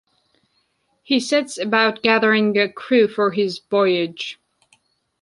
He sets about gathering a crew for his voyage.